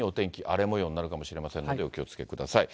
荒れもようになるかもしれませんので、お気をつけください。